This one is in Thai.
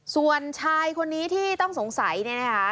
ส่วนชายคนนี้ที่ต้องสงสัยเนี่ยนะคะ